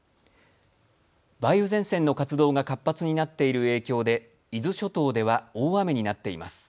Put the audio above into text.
梅雨前線の活動が活発になっている影響で伊豆諸島では大雨になっています。